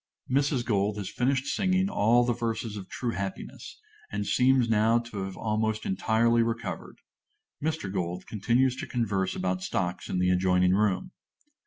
(_Mrs. Gold has finished singing all the verses of "True Happiness," and seems now to have almost entirely recovered. Mr. Gold continues to converse about stocks in the adjoining room.